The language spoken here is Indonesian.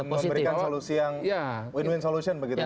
bisa memberikan win win solution begitu